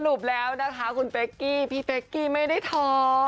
แล้วนะคะคุณเป๊กกี้พี่เป๊กกี้ไม่ได้ท้อง